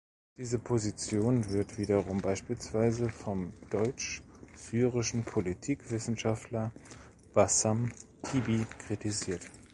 Diese Position wird wiederum beispielsweise vom deutsch-syrischen Politikwissenschaftler Bassam Tibi kritisiert.